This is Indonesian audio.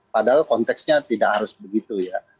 padahal konteksnya tidak harus begitu ya